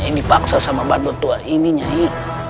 nyanyi dipaksa sama pak duk tua ini nyanyi